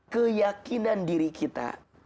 keyakinan diri kita